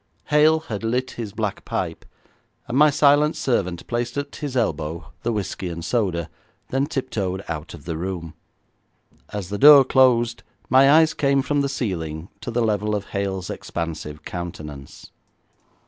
Hale had lit his black pipe, and my silent servant placed at his elbow the whisky and soda, then tiptoed out of the room. As the door closed my eyes came from the ceiling to the level of Hale's expansive countenance.